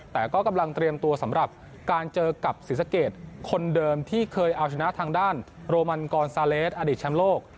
แต่ก็กำลังเตรียมตัวสำหรับการเจอกับศรีสะเกดคนเดิมที่เคยเอาชนะทางด้านโรมันกรซาเลสอดีตแชมป์โลก